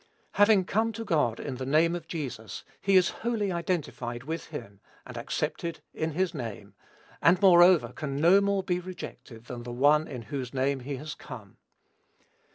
Having come to God "in the name of Jesus," he is wholly identified with him, and accepted in his name, and, moreover, can no more be rejected than the One in whose name he has come.